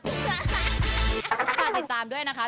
พี่ตื่นด้านเฉพาะติดตามด้วยนะคะ